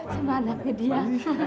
semana ke dia